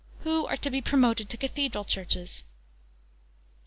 Who are to be promoted to Cathedral Churches.